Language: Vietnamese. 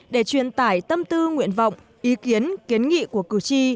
để truyền tải tâm tư nguyện vọng ý kiến kiến nghị của cử tri